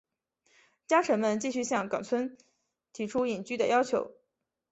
家臣们继续向纲村提出隐居的要求。